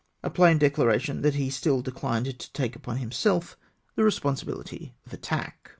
A plain declaration that he still declined to take upon him self the responsibility of attack.